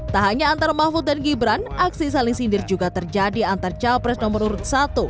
tak hanya antar mahfud dan gibran aksi saling sindir juga terjadi antar capres nomor urut satu